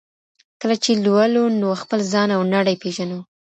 کله چي لولو نو خپل ځان او نړۍ پېژنو.